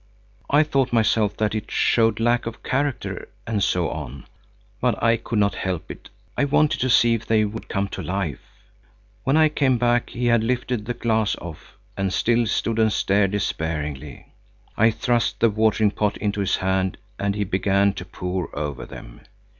I thought myself that it showed lack of character and so on, but I could not help it. I wanted to see if they would come to life. When I came back, he had lifted the glass off and still stood and stared despairingly. I thrust the watering pot into his hand, and he began to pour over them.